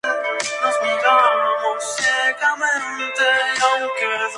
Tiene dos nietas.